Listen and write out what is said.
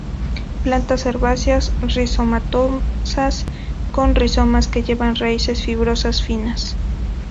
Plantas herbáceas, rizomatosas, con rizomas que llevan raíces fibrosas finas.